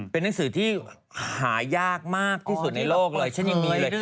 เป็นหนังสือที่หายากมากที่สุดในโลกเลยฉันยังมีเลย